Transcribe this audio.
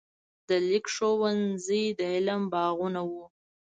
د لیک ښوونځي د علم باغونه وو.